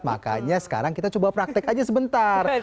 makanya sekarang kita coba praktek aja sebentar